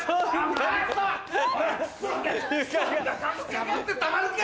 捕まってたまるか！